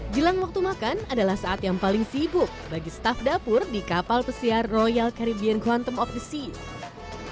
jelang waktu makan adalah saat yang paling sibuk bagi staf dapur di kapal pesiar royal carribean quantom of the sea